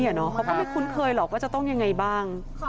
เขาก็ไม่คุ้นเคยหรอกว่าจะต้องยังไงบ้าง